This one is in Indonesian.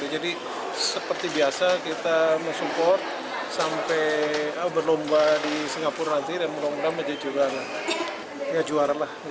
jadi seperti biasa kita support sampai berlomba di singapura nanti dan mudah mudahan menjadi juara